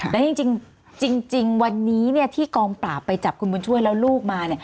และจริงวันนี้ที่กองปราบไปจับคุณบุญช่วยแล้วลูกมา